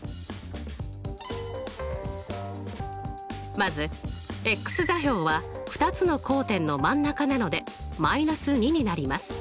まず座標は２つの交点の真ん中なので−２になります。